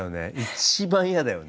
一番嫌だよね。